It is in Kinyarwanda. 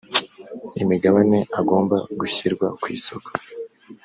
imigabane agomba gushyirwa kwisoko.